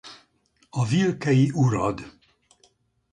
A vilkei urad.